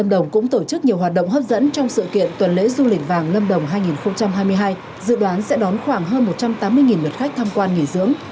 lâm đồng cũng tổ chức nhiều hoạt động hấp dẫn trong sự kiện tuần lễ du lịch vàng lâm đồng hai nghìn hai mươi hai dự đoán sẽ đón khoảng hơn một trăm tám mươi lượt khách tham quan nghỉ dưỡng